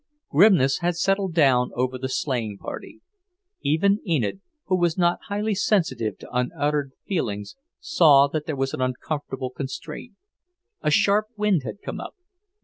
Grimness had settled down over the sleighing party. Even Enid, who was not highly sensitive to unuttered feelings, saw that there was an uncomfortable constraint. A sharp wind had come up.